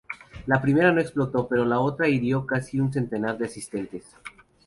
La primera no explotó, pero la otra hirió a casi un centenar de asistentes.